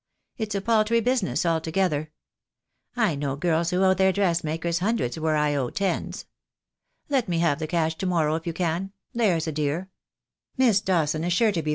It's a paltry business altogether. I know girls who owe their dressmakers hun dreds where I owe tens. Let me have the cash to morrow if you can, there's a dear. Miss Dawson is sure to be THE DAY WILL COME.